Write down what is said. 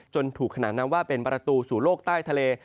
ถูกขนานนำว่าเป็นประตูสู่โลกใต้ทะเล